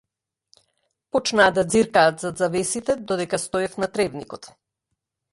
Почнаа да ѕиркаат зад завесите додека стоев на тревникот.